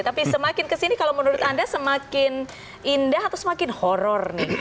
tapi semakin kesini kalau menurut anda semakin indah atau semakin horror nih